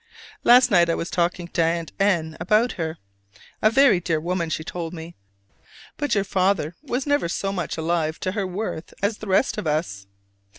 Last night I was talking to Aunt N about her. "A very dear woman," she told me, "but your father was never so much alive to her worth as the rest of us."